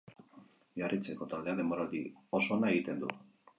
Biarritzeko taldeak denboraldi oso ona egiten du.